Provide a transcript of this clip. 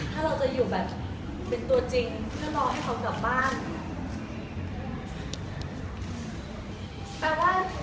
ถ้าเราจะอยู่แบบเป็นตัวจริงเพื่อรอให้เขากลับบ้าน